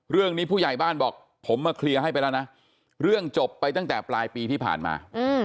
ผู้ใหญ่บ้านบอกผมมาเคลียร์ให้ไปแล้วนะเรื่องจบไปตั้งแต่ปลายปีที่ผ่านมา